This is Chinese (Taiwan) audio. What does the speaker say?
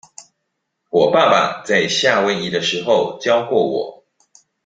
我爸爸在夏威夷的時候教過我